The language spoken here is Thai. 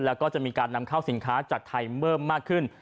แล้วก็จะมีการนำเข้าสินค้าจากไทยเพิ่มมากขึ้น